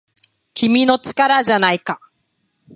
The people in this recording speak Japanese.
君の力じゃないか